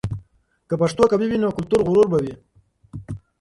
که پښتو قوي وي، نو کلتوري غرور به وي.